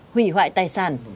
hủy hoại tài sản